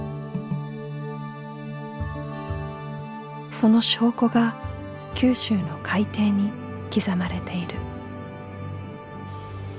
その証拠が九州の海底に刻まれている。